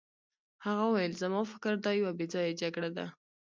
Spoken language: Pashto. هغه وویل زما په فکر دا یوه بې ځایه جګړه ده.